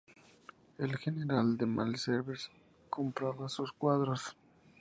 El general Malesherbes compraba sus cuadros.